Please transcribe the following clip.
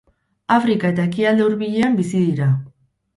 Afrika eta Ekialde Hurbilean bizi dira.